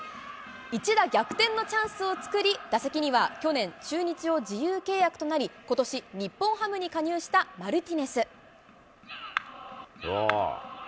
一打逆転のチャンスを作り、打席には去年、中日を自由契約となり、ことし、日本ハムに加入したマルティネス。